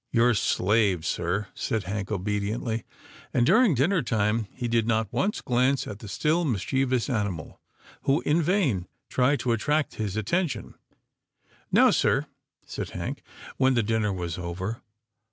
" Your slave, sir," said Hank, obediently, and, during dinner time, he did not once glance at the still mischievous animal, who, in vain, tried to attract his attention. " Now, sir," said Hank, when the dinner was over.